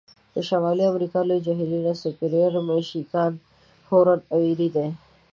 د شمالي امریکا لوی جهیلونه سوپریر، میشیګان، هورن او ایري دي.